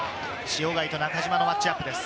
塩貝と中嶋のマッチアップです。